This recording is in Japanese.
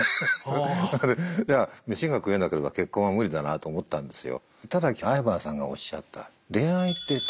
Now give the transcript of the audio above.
飯が食えなければ結婚は無理だなと思ったんですよ。